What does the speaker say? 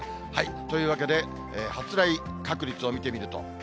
というわけで、発雷確率を見てみると。